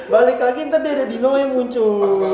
balik lagi ntar dia ada dino yang muncul